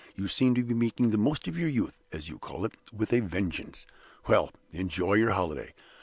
You seem to be making the most of your youth (as you call it) with a vengeance. Well! enjoy your holiday.